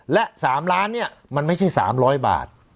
และ๓ล้านเนี่ยมันไม่ใช่๓๐๐บาท